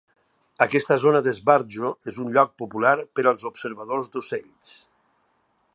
Aquesta zona d'esbarjo és un lloc popular per als observadors d'ocells.